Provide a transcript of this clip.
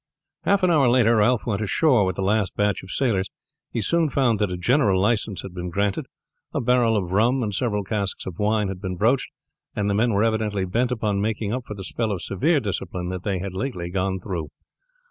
Half an hour later Ralph went ashore with the last batch of sailors. He soon found that a general license had been granted. A barrel of rum and several casks of wine had been broached, and the men were evidently bent upon making up for the spell of severe discipline that they had lately gone through.